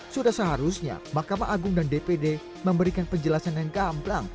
sudah seharusnya mahkamah agung dan dpd memberikan penjelasan yang gamblang